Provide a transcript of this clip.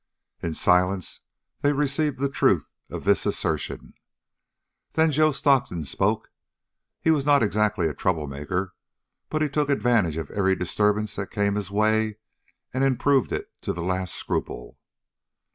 In silence they received the truth of this assertion. Then Joe Stockton spoke. He was not exactly a troublemaker, but he took advantage of every disturbance that came his way and improved it to the last scruple.